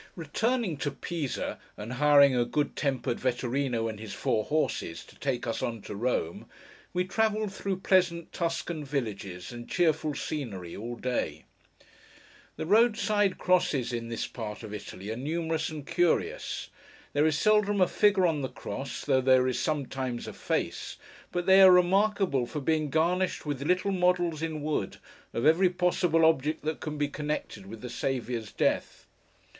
Returning to Pisa, and hiring a good tempered Vetturíno, and his four horses, to take us on to Rome, we travelled through pleasant Tuscan villages and cheerful scenery all day. The roadside crosses in this part of Italy are numerous and curious. There is seldom a figure on the cross, though there is sometimes a face, but they are remarkable for being garnished with little models in wood, of every possible object that can be connected with the Saviour's death.